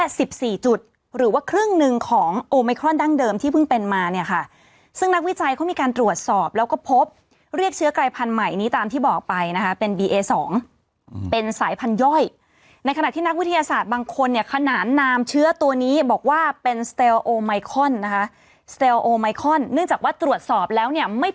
คือเนี่ยให้ดูเคยเห็นหน้าฟ้านั่นแล้วใช่ไหม